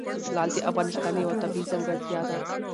لعل د افغانستان یوه طبیعي ځانګړتیا ده.